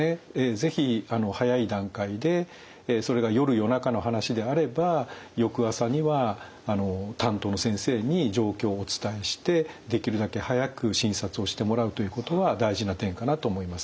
是非早い段階でそれが夜夜中の話であれば翌朝には担当の先生に状況をお伝えしてできるだけ早く診察をしてもらうということは大事な点かなと思います。